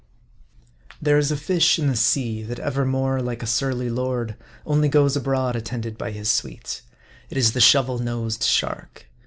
THERE is a fish in the sea that evermore, like a surly lord, only goes abroad attended by his suite. It is the Shovel nosed Shark.